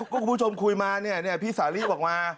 ก็คุณผู้ชมคุยมาเนี่ยพี่สาลีบอกมา